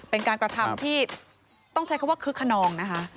เป็นการกระทำที่ต้องใช้คำว่าคึกขนองนะคะ